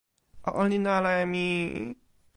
o olin ala e mi!